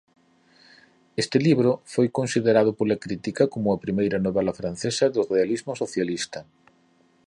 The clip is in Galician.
Este libro foi considerado pola crítica como a primeira novela francesa do "realismo socialista".